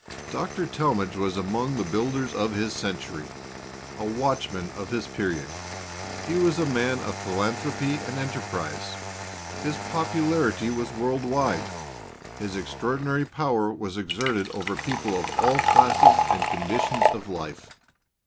Dr. Talmage was among the builders of his century a watchman of his period. He was a man of philanthropy and enterprise. His popularity was world wide; his extraordinary power was exerted over people of all classes and conditions of life.